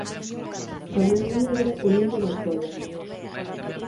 Tamén é negra o lombo da cola.